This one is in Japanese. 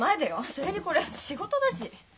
それにこれ仕事だし。